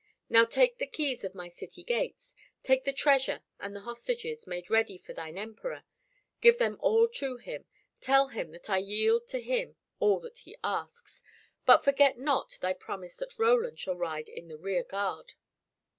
Now take the keys of my city gates, take the treasure and the hostages made ready for thine Emperor. Give them all to him, tell him that I yield to him all that he asks, but forget not thy promise that Roland shall ride in the rear guard."